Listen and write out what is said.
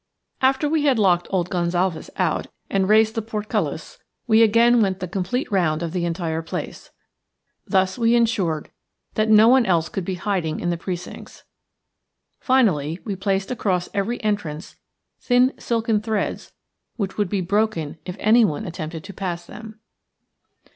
After we had locked old Gonsalves out and had raised the portcullis, we again went the complete round of the entire place. Thus we ensured that no one else could be hiding in the precincts. Finally we placed across every entrance thin silken threads which would be broken if anyone attempted to pass them.